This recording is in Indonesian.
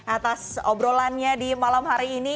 atas obrolannya di malam hari ini